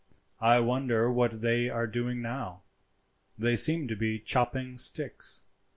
I wonder what they are doing now? They seem to be chopping sticks."